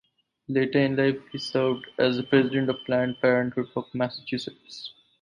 Later in life he served as President of Planned Parenthood of Massachusetts.